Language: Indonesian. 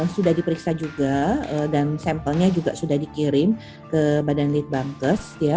sudah diperiksa juga dan sampelnya juga sudah dikirim ke badan litbangkes